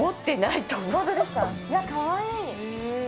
いや、かわいい。